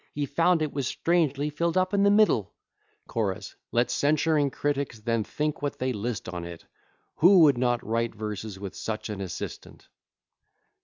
He found it was strangely fill'd up in the middle. CHO. Let censuring critics then think what they list on't; Who would not write verses with such an assistant?